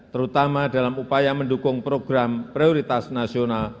terutama dalam upaya mendukung program prioritas nasional